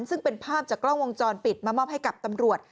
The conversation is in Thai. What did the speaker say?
ซึ่งเป็นภาพจากกล้องวงจรปิดมามอบให้กับตำรวจ